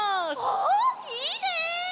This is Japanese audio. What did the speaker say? おいいね。